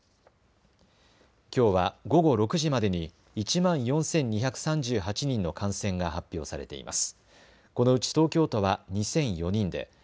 きょうは午後６時までに１万４２３８人の感染が発表されています。